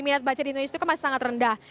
minat baca di indonesia itu kan masih sangat rendah